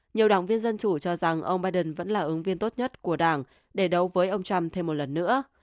nhiều đảng viên dân chủ cho rằng ông biden vẫn là ứng viên tốt nhất của đảng để đấu với ông trump thêm một lần nữa